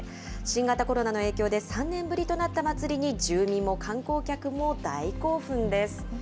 新型コロナの影響で３年ぶりとなった祭りに、住民も観光客も大興奮です。